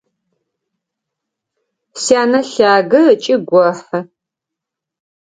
Сянэ лъагэ ыкӏи гохьы.